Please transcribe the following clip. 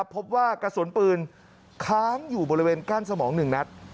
พบว่ากระสุนปืนค้างอยู่บริเวณกั้นสมอง๑นัด